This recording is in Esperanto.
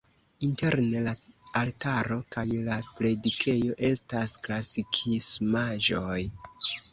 Interne la altaro kaj la predikejo estas klasikismaĵoj.